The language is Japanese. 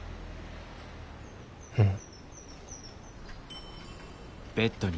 うん。